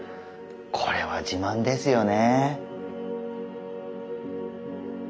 これは自慢ですよね。